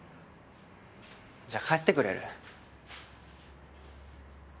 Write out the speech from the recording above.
じゃあ帰ってくれる？